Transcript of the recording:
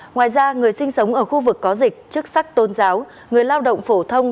ngoài ra người sinh sống ở khu vực có dịch chức sắc tôn giáo người lao động phổ thông